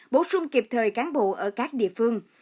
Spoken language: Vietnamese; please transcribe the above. bổ sung kịp thời cán bộ ở các địa phương